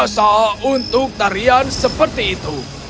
luar biasa untuk tarian seperti itu